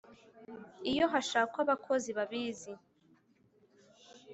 iyo hashakwa abakozi babizi